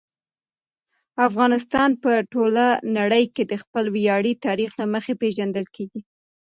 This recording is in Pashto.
افغانستان په ټوله نړۍ کې د خپل ویاړلي تاریخ له مخې پېژندل کېږي.